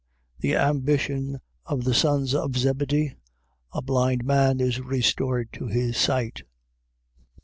The ambition of the sons of Zebedee. A blind man is restored to his sight.